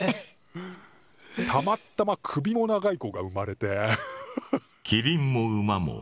たまったま首も長い子が生まれてフフッ。